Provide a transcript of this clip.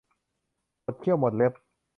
หมดเขี้ยวหมดเล็บ